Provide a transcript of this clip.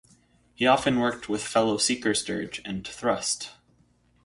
He often worked with fellow Seekers Dirge and Thrust.